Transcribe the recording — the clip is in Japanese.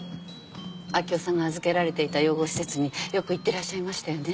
明生さんが預けられていた養護施設によく行ってらっしゃいましたよね。